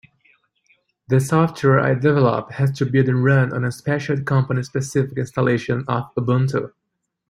The software I develop has to build and run on a special company-specific installation of Ubuntu.